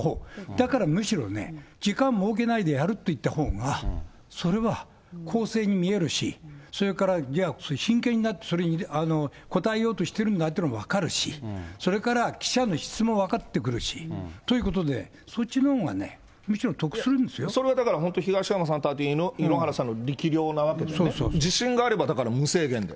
だからむしろね、時間設けないでやるといったほうが、それは公正に見えるし、それから、じゃあ真剣になって、それに答えようとしてるなというのも分かるし、それから記者の質問分かってくるし、ということで、そっちのほうがね、それはだから、本当、東山さんと井ノ原さんの力量なわけでね、自信があれば、だから無制限で。